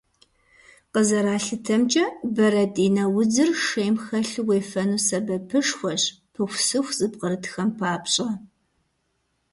Къызэралъытэмкӏэ, бэрэтӏинэ удзыр шейм хэлъу уефэну сэбэпышхуэщ пыхусыху зыпкърытхэм папщӏэ.